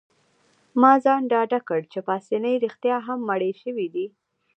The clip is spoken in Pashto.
ما ځان ډاډه کړ چي پاسیني رښتیا هم مړی شوی دی.